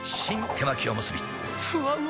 手巻おむすびふわうま